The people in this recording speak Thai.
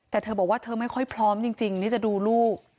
แต่เธอบอกว่าเธอไม่ค่อยพร้อมจริงที่จะดูลูก